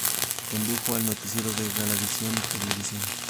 Condujo el noticiero de Galavisión y Cablevisión.